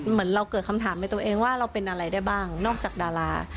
เหมือนเราเกิดคำถามในตัวเองว่าเราเป็นอะไรได้บ้างนอกจากดารา